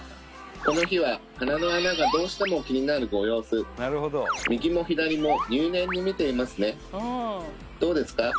この日は鼻の穴がどうしても気になるご様子右も左も入念に見ていますねどうですか？